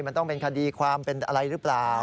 มันต้องเป็นคดีความเป็นอะไรหรือเปล่า